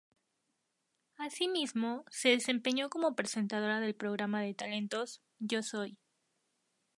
Asimismo, se desempeñó como presentadora del programa de talentos "Yo soy".